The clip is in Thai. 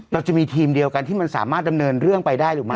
เราจะมีทีมเดียวกันที่มันสามารถดำเนินเรื่องไปได้หรือไม่